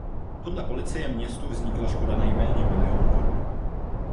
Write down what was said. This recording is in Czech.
Podle policie městu vznikla škoda nejméně milión korun.